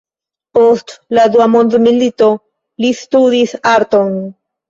Post la dua mondmilito li studis arton.